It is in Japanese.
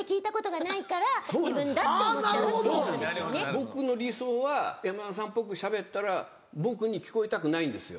僕の理想は山田さんっぽくしゃべったら僕に聞こえたくないんですよ。